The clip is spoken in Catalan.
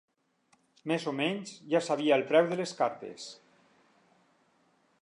Més o menys, ja sabia el preu de les cartes.